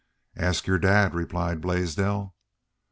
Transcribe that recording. "Ask your dad," replied Blaisdell.